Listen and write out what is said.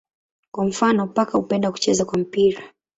Kwa mfano paka hupenda kucheza kwa mpira.